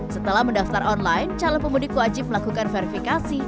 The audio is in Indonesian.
setelah mendaftar online calon pemudik wajib melakukan verifikasi